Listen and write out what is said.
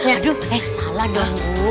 aduh eh salah dong